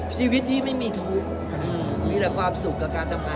ชีวิตที่ไม่มีทุกข์มีแต่ความสุขกับการทำงาน